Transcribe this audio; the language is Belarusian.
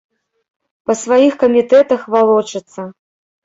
Па сваіх камітэтах валочыцца.